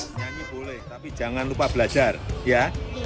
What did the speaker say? nyanyi boleh tapi jangan lupa belajar ya